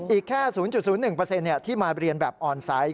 อีกแค่๐๐๑เปอร์เซ็นต์ที่มาเรียนแบบออนไซต์